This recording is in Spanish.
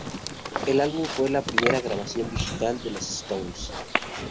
El álbum fue la primera grabación digital de los Stones.